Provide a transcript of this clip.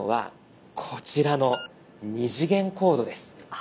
あ。